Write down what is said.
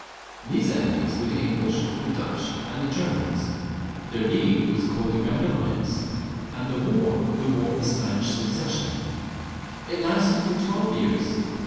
These enemies were the English, the Dutch, and the Em peror. Their league was called the Grand Alliance, and the war, the War of the Spanish Succession ; it lasted for twelve .years.